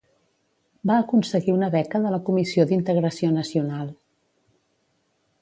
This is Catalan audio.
Va aconseguir una beca de la Comissió d'Integració Nacional.